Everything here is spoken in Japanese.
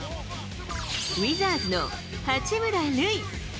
ウィザーズの八村塁。